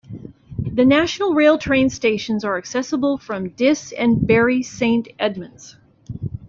National Rail train stations are accessible from Diss and Bury Saint Edmunds.